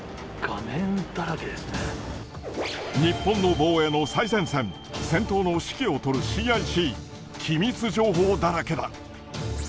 日本の防衛の最前線、戦闘の指揮を執るＣＩＣ、機密情報だらけだ。